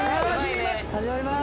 始まりまーす。